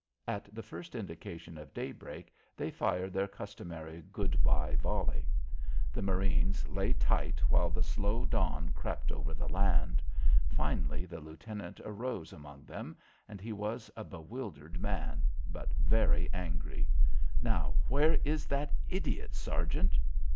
At the first indication of daybreak, they fired their customary good bye volley. The marines lay tight while the slow dawn crept over the land. Finally the lieutenant arose among them, and he was a bewildered man, but very angry. "Now where is that idiot, Sergeant?"